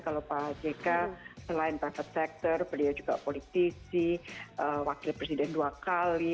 kalau pak jk selain private sector beliau juga politisi wakil presiden dua kali